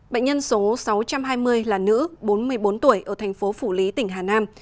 bệnh nhân số sáu trăm hai mươi là nữ bốn mươi bốn tuổi ở thành phố phủ lý tỉnh hà nam